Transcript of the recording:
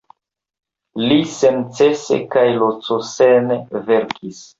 Li senĉese kaj lacosene verkis.